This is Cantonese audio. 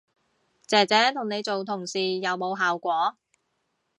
姐姐同你做同事有冇效果